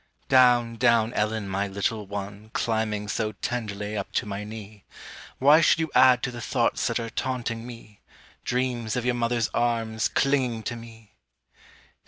Down, down, Ellen, my little one, Climbing so tenderly up to my knee; Why should you add to the thoughts that are taunting me, Dreams of your mother's arms clinging to me?